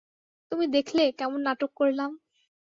তুমি দেখলে কেমন নাটক করলাম?